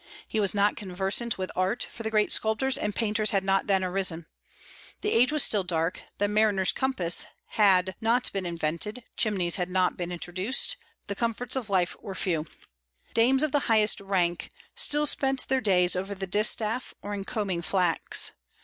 He was not conversant with art, for the great sculptors and painters had not then arisen. The age was still dark; the mariner's compass had not been invented, chimneys had not been introduced, the comforts of life were few. Dames of highest rank still spent their days over the distaff or in combing flax.